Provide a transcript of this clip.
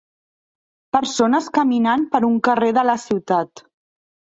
Persones caminant per un carrer de la ciutat.